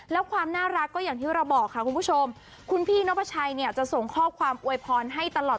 แล้วความน่ารักก็อย่างที่เราบอกค่ะคุณผู้ชมคุณพี่นกพระชัยเนี่ยจะส่งข้อความอวยพรให้ตลอด